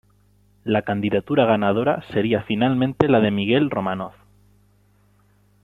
La candidatura ganadora sería finalmente la de Miguel Romanov.